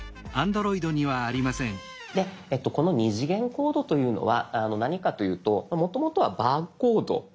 でこの２次元コードというのは何かというともともとはバーコード。